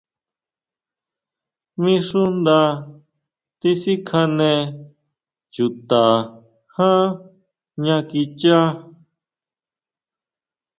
Mí xú nda tisikjane chuta ján jña kichá.